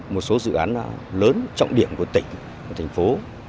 một số dự án lớn trọng điểm của tỉnh của thành phố